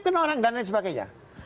kan orang dan lain sebagainya